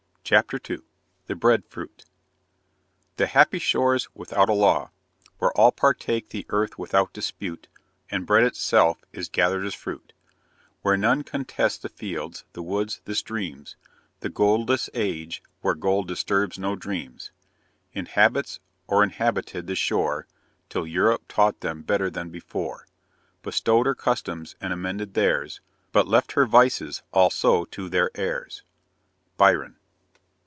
CHAPTER II THE BREAD FRUIT The happy shores without a law, Where all partake the earth without dispute, And bread itself is gather'd as a fruit; Where none contest the fields, the woods, the streams: The goldless age, where gold disturbs no dreams, Inhabits or inhabited the shore, Till Europe taught them better than before, Bestow'd her customs, and amended theirs, But left her vices also to their heirs. BYRON.